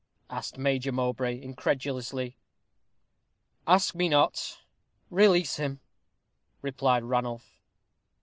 asked Major Mowbray, incredulously. "Ask me not. Release him," replied Ranulph.